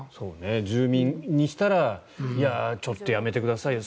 住民にしたらちょっとやめてくださいよ